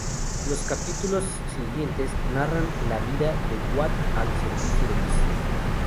Los capítulos siguientes narran la "vida" de Watt al servicio de Mr.